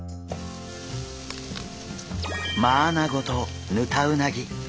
マアナゴとヌタウナギ。